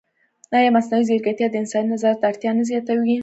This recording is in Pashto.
ایا مصنوعي ځیرکتیا د انساني نظارت اړتیا نه زیاتوي؟